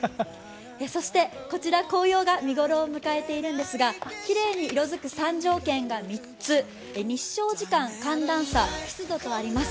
そしてこちら、紅葉が見頃を迎えているんですが、きれいに色づく３条件が３つ、日照時間、寒暖差、湿度とあります。